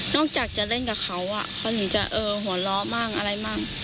นอกจากจะเล่นกับเขาเขาอยู่จะหัวเราะบ้างอะไรบ้าง